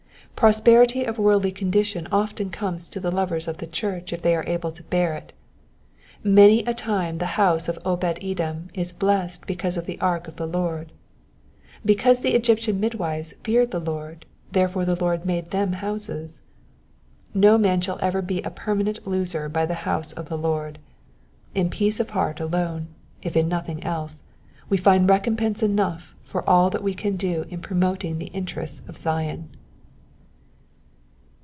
Prosperity of worldly condi tion often comes to the lovers of the church if they are able to bear it : many a time the house of Obed edom is blessed because of the ark of the Lord. Because the Egyptian midwives feared the Lord, therefore the Lord made them houses. No man sshall ever be a permanent loser by the house of the Lord : in peace of heart alone, if in nothing else, we find recompense enough for all that we can do in promoting the interests of Zion.